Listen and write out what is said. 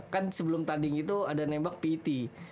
kan sebelum tanding itu ada nembak pt